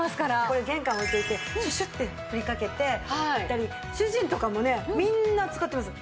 これ玄関に置いておいてシュシュッて振りかけていったり主人とかもねみんな使ってます。